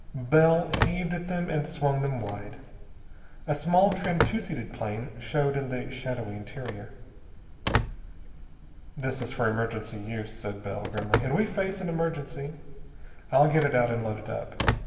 Bell heaved at them and swung them wide. A small, trim, two seated plane showed in the shadowy interior. "This is for emergency use," said Bell grimly, "and we face an emergency. I'll get it out and load it up.